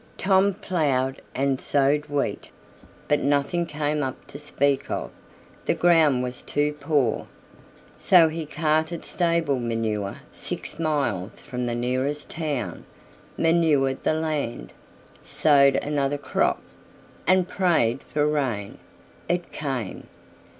Tom ploughed and sowed wheat, but nothing came up to speak of the ground was too poor; so he carted stable manure six miles from the nearest town, manured the land, sowed another crop, and prayed for rain. It came.